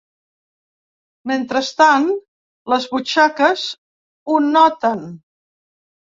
Mentrestant, les butxaques ho noten.